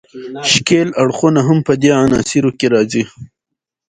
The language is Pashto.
ښکیل اړخونه هم په دې عناصرو کې راځي.